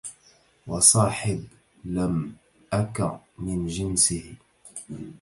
وصاحب لم أك من جنسه